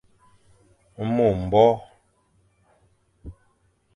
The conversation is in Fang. Mo mbore.